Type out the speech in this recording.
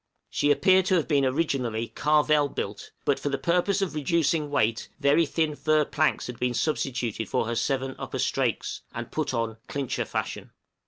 She appeared to have been originally "carvel" built; but for the purpose of reducing weight, very thin fir planks had been substituted for her seven upper strakes, and put on "clincher" fashion.